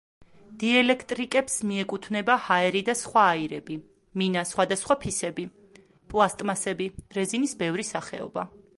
დიელექტრიკებს მიეკუთვნება ჰაერი და სხვა აირები, მინა, სხვადასხვა ფისები, პლასტმასები, რეზინის ბევრი სახეობა.